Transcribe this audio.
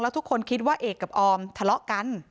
ทุกคนคิดว่าเอกกับออมทะเลาะกัน